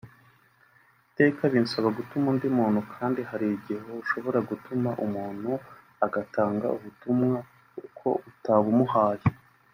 Iteka binsaba gutuma undi muntu kandi hari igihe ushobora gutuma umuntu agatanga ubutumwa uko utabumuhaye